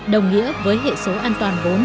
đồng nghĩa với hệ số an toàn vốn